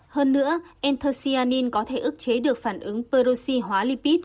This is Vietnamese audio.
hơn nữa anthocyanin có thể ức chế được phản ứng peroxy hóa lipid